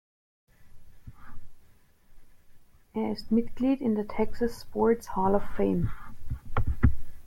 Er ist Mitglied in der "Texas Sports Hall of Fame".